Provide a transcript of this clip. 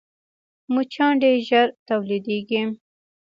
مچان ډېر ژر تولیدېږي